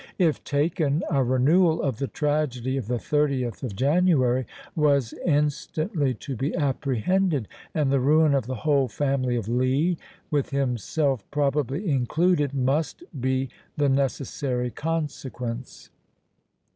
If taken, a renewal of the tragedy of the 30th of January was instantly to be apprehended, and the ruin of the whole family of Lee, with himself probably included, must be the necessary consequence.